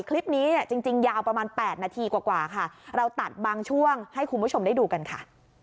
คลิปนี้เนี่ยจริงยาวประมาณ๘นาทีกว่าค่ะเราตัดบางช่วงให้คุณผู้ชมได้ดูกันค่ะ